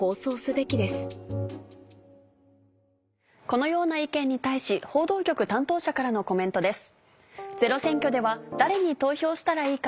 このような意見に対し報道局担当者からのコメントです。